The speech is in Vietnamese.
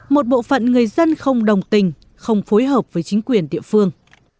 một bộ phận người dân không đồng tình không phối hợp với chính quyền địa phương